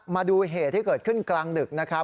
มาดูเหตุที่เกิดขึ้นกลางดึกนะครับ